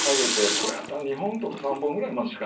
これやったら２本とか３本ぐらいまでしか。